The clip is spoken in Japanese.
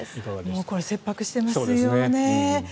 もうこれ切迫していますよね。